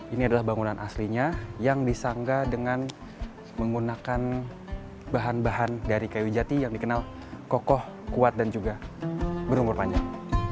ini adalah bangunan aslinya yang disanggah dengan menggunakan bahan bahan dari kayu jati yang dikenal kokoh kuat dan juga berumur panjang